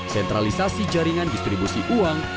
sentralisasi jaringan distribusi uang